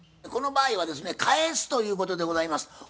この場合はですね返すということでございます。